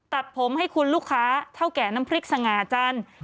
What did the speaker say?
ตัดผมให้คุณลูกค้าเท่าแก่น้ำพริกสง่าจันทร์